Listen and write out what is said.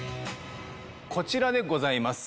こちらでございます。